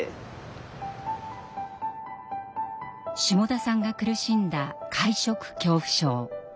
下田さんが苦しんだ会食恐怖症。